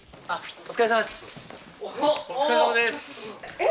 お疲れさまです。